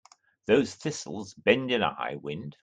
Those thistles bend in a high wind.